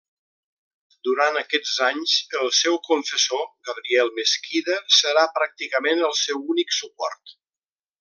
Durant aquests anys el seu confessor Gabriel Mesquida serà pràcticament el seu únic suport.